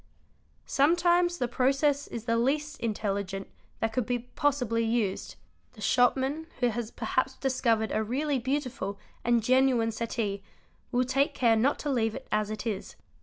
Sometimes the process is the least intelligent that could be possibly used; the shopman who has perhaps discovered a really beautiful and genuine settee will take care not to leave it as it is.